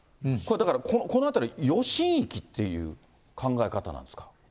これ、だからこの辺り、余震域っていう考え方なんですか。